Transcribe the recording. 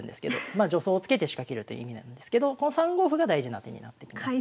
まあ助走をつけて仕掛けるという意味なんですけどこの３五歩が大事な手になってきます。